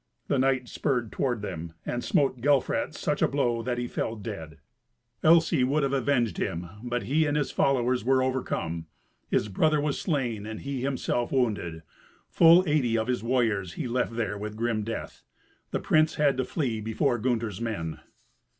The knight spurred toward them, and smote Gelfrat such a blow that he fell dead. Elsy would have avenged him, but he and his followers were overcome. His brother was slain, and he himself wounded. Full eighty of his warriors he left there with grim death; the prince had to flee before Gunther's men.